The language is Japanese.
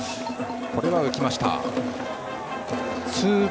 これは浮きました。